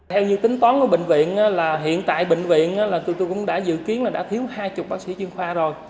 theo như tính toán của bệnh viện hiện tại bệnh viện chúng tôi cũng đã dự kiến là đã thiếu hai mươi bác sĩ chuyên khoa rồi